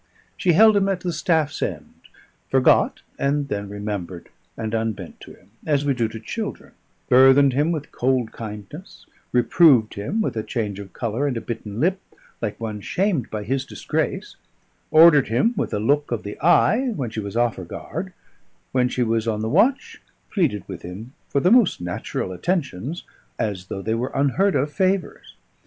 She held him at the staff's end; forgot and then remembered and unbent to him, as we do to children; burthened him with cold kindness; reproved him with a change of colour and a bitten lip, like one shamed by his disgrace: ordered him with a look of the eye when she was off her guard; when she was on the watch, pleaded with him for the most natural attentions, as though they were unheard of favours.